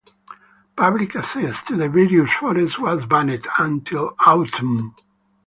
Public access to various forests was banned until autumn.